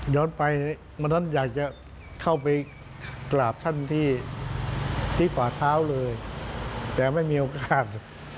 ย้อนไปมันท่านอยากจะเข้าไปกราบท่านที่ขวาเท้าเลยแต่ไม่มีโอกาส